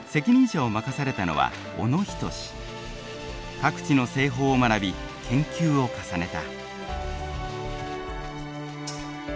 各地の製法を学び研究を重ねた。